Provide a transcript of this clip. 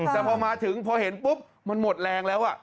แต่พอมาถึงพอเห็นปุ๊บมันหมดแรงแล้ว